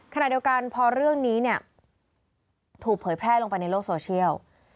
ขณะเดียวกันพอเรื่องนี้เนี่ยถูกเผยแพร่ลงไปในโลกโซเชียล